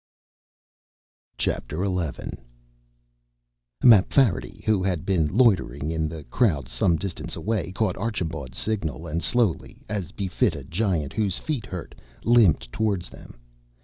XI Mapfarity, who had been loitering in the crowd some distance away, caught Archambaud's signal and slowly, as befit a Giant whose feet hurt, limped towards them.